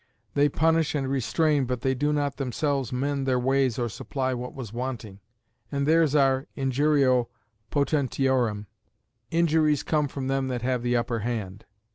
They punish and restrain, but they do not themselves mend their ways or supply what was wanting; and theirs are "injuriæ potentiorum" "injuries come from them that have the upperhand."